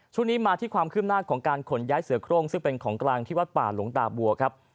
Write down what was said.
ช่วงนี้มาที่ความคืบหน้าของการขนย้ายเสือโครงซึ่งเป็นของกลางที่วัดป่าหลวงตาบัวครับ